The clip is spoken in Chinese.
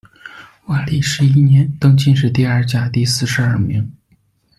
万历十一年，登进士第二甲第四十二名。